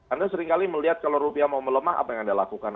anda seringkali melihat kalau rupiah mau melemah apa yang anda lakukan